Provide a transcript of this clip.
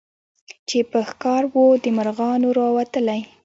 چي په ښکار وو د مرغانو راوتلی